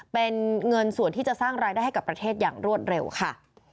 เป็นเงินส่วนที่จะสร้างรายได้ให้กับประเทศอย่างรวดเร็วค่ะ